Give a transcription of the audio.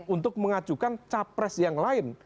untuk mengajukan capres yang lain